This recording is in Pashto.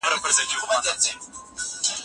هغه به تر راتلونکي کال پورې خپل تیزس خلاص کړي.